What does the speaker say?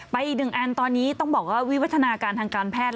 อีกหนึ่งอันตอนนี้ต้องบอกว่าวิวัฒนาการทางการแพทย์